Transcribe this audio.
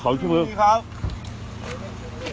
กลับมาเถอะครับ